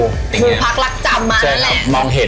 คือพักลักษณ์จำมาแล้ว